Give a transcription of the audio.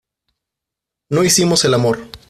no hicimos el amor.